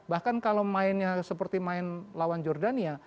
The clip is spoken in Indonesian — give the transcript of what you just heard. bahkan kalau mainnya seperti main lawan jordania